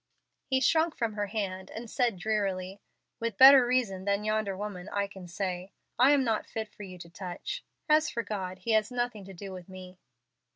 He shrunk from her hand, and said, drearily, "With better reason than younder woman I can say, 'I am not fit for you to touch.' As for God, He has nothing to do with me."